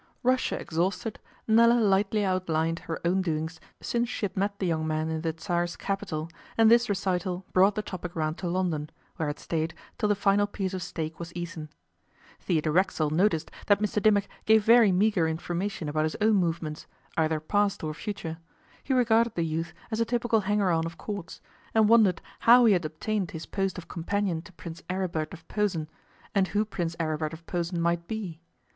Russia exhausted, Nella lightly outlined her own doings since she had met the young man in the Tsar's capital, and this recital brought the topic round to London, where it stayed till the final piece of steak was eaten. Theodore Racksole noticed that Mr Dimmock gave very meagre information about his own movements, either past or future. He regarded the youth as a typical hanger on of Courts, and wondered how he had obtained his post of companion to Prince Aribert of Posen, and who Prince Aribert of Posen might be.